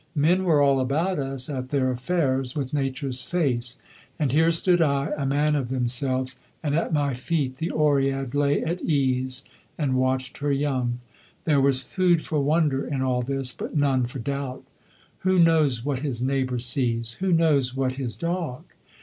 Men were all about us at their affairs with Nature's face; and here stood I, a man of themselves, and at my feet the Oread lay at ease and watched her young. There was food for wonder in all this, but none for doubt. Who knows what his neighbour sees? Who knows what his dog?